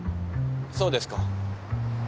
そうですか。